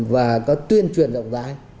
và có tuyên truyền rộng rãi